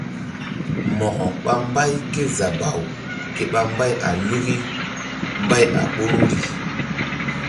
Mo̧ko ɓa mbay kézabaw ke ɓa mbay a luki mbay a ɓoruri.